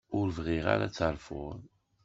Ur bɣiɣ ara ad terfuḍ.